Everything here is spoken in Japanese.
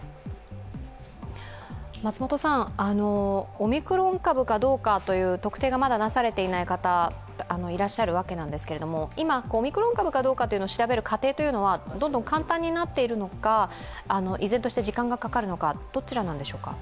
オミクロン株かどうかという特定がまだなされていない方いらっしゃるわけなんですけど今、オミクロン株かどうかを調べる過程はどんどん簡単になっているのか、依然として時間がかかるのかどちらなんでしょうか？